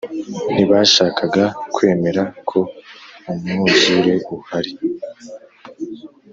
Ntibashakaga kwemera ko umwuzure uhari